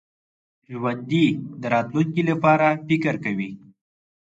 ژوندي د راتلونکي لپاره فکر کوي